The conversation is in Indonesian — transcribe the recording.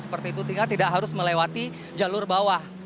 seperti itu tinggal tidak harus melewati jalur bawah